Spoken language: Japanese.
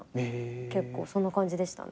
結構そんな感じでしたね。